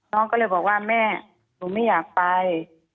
น้องก็เลยบอกว่าแม่หนูไม่อยากไป